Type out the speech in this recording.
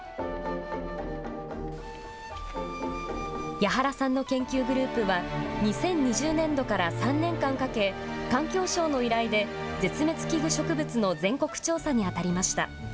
矢原さんの研究グループは、２０２０年度から３年間かけ、環境省の依頼で絶滅危惧植物の全国調査に当たりました。